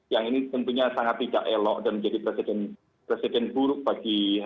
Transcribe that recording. yang ini tentunya sangat tidak elok dan menjadi presiden buruk bagi